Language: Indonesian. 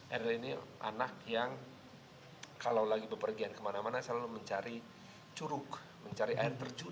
eril ini anak yang kalau lagi bepergian kemana mana selalu mencari curug mencari air terjun